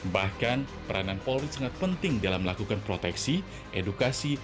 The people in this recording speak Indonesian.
bahkan peranan polri sangat penting dalam melakukan proteksi edukasi